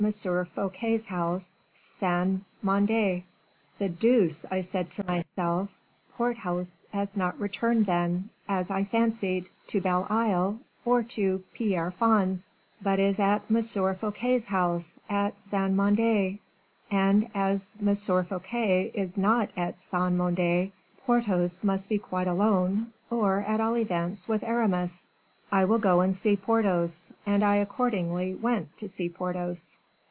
Fouquet's house, Saint Mande.' The deuce, I said to myself, Porthos has not returned, then, as I fancied, to Bell Isle, or to Pierrefonds, but is at M. Fouquet's house, at Saint Mande; and as M. Fouquet is not at Saint Mande, Porthos must be quite alone, or, at all events, with Aramis; I will go and see Porthos, and I accordingly went to see Porthos."